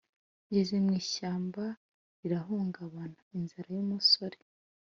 Ngeze mu ishyamba rirahungabana : “Inzara y’umusore”